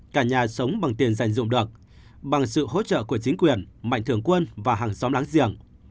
anh bủ là nhà sống bằng tiền dành dụng được bằng sự hỗ trợ của chính quyền mạnh thường quân và hàng xóm láng giềng